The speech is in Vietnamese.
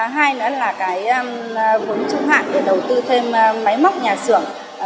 hai nữa là cái vốn trung hạn để đầu tư thêm máy móc nhà xưởng